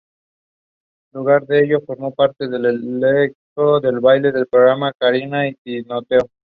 Luego de ello, formó parte del elenco de baile del programa "Karina y Timoteo".